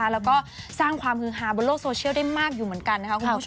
และก็สร้างความมือหาบนโลกสโชเชียลได้มากอยู่เหมือนกัน